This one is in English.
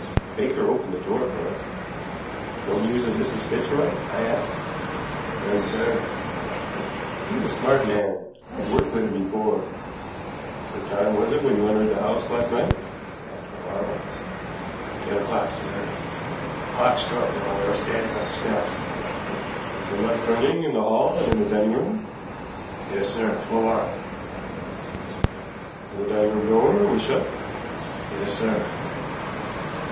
Baker opened the door for us. "No news of Mrs. Fitzroy?" I asked. "None, sir." He was a smart man. I had worked with him before. "What time was it when you entered the house last night?" asked Quarles. "Ten o'clock, sir. A clock struck while we were standing on the steps." "Was the light burning in the hall and in the dining room?" "Yes, sir; full on." "And the dining room door was shut?" "Yes, sir."